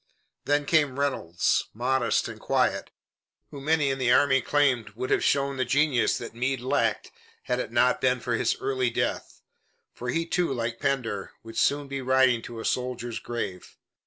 Then came Reynolds, modest and quiet, who many in the army claimed would have shown the genius that Meade lacked had it not been for his early death, for he too, like Pender, would soon be riding to a soldier's grave.